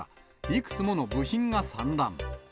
いくつもの部品が散乱。